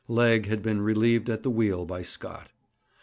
Legg had been relieved at the wheel by Scott.